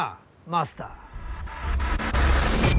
マスター。